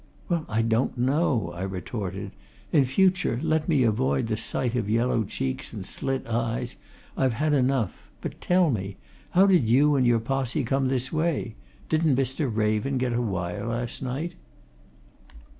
"Well, I don't know," I retorted. "In future, let me avoid the sight of yellow cheeks and slit eyes I've had enough. But tell me how did you and your posse come this way? Didn't Mr. Raven get a wire last night?"